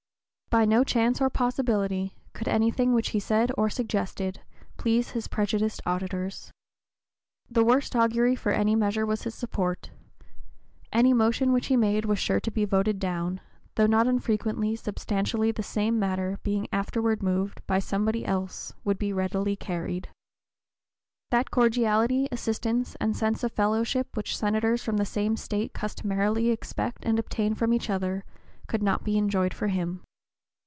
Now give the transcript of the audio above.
By no chance or possibility could anything which he said or suggested please his prejudiced auditors. The worst augury for any measure was his support; any motion which he made was sure to be voted down, though not unfrequently substantially the same matter being afterward moved by somebody else would be readily carried. That cordiality, (p. 032) assistance, and sense of fellowship which Senators from the same State customarily expect and obtain from each other could not be enjoyed by him.